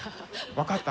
分かった？